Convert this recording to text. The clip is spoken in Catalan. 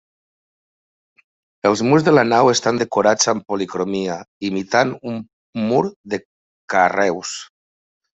Els murs de la nau estan decorats amb policromia, imitant un mur de carreus.